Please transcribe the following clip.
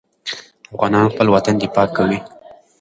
افغانان خپل وطن دفاع کوي.